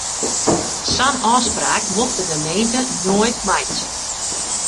Sa'n ôfspraak mocht de gemeente noait meitsje.